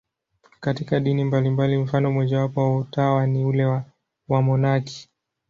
Katika dini mbalimbali, mfano mmojawapo wa utawa ni ule wa wamonaki.